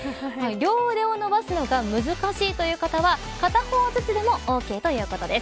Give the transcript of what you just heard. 両腕を伸ばすのが難しいという方は片方ずつでもオーケーということです。